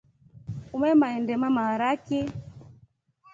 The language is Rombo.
Umema endema maharaki.